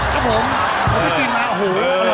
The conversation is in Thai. ครับผมผมไปกินมาขอบคุณทำไม